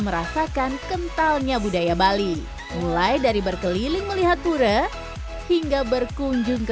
merasakan kentalnya budaya bali mulai dari berkeliling melihat pura hingga berkunjung ke